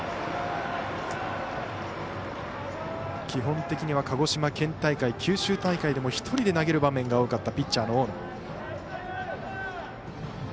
基本的には鹿児島県大会、九州大会でも１人で投げる場面が多かったピッチャーの大野。